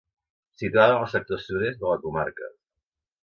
Situada en el sector sud-est de la comarca.